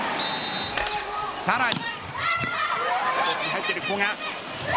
さらに。